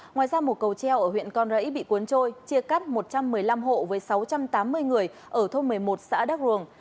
ngoài ra một cầu treo ở huyện con rẫy bị cuốn trôi chia cắt một trăm một mươi năm hộ với sáu trăm tám mươi người ở thôn một mươi một xã đắk ruồng